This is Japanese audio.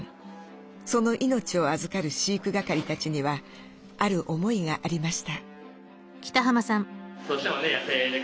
その命をあずかる飼育係たちにはある思いがありました。